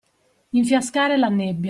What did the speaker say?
Infiascare la nebbia.